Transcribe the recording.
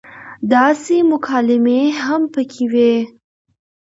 داسې مکالمې هم پکې وې